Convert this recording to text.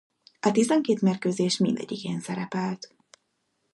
A tizenkét mérkőzés mindegyikén szerepelt.